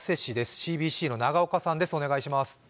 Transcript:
ＣＢＣの永岡さんです。